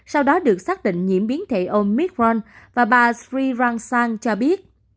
sau đó được xác định nhiễm biến thể omicron và bà sri rangsang cho biết